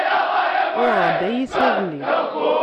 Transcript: Uɣeɣ-d ayis iḍelli.